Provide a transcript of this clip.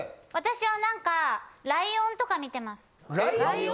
私はなんか、ライオンとか見てます。